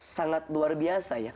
sangat luar biasa ya